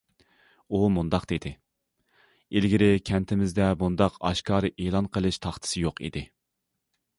ئۇ مۇنداق دېدى: ئىلگىرى كەنتىمىزدە بۇنداق ئاشكارا ئېلان قىلىش تاختىسى يوق ئىدى.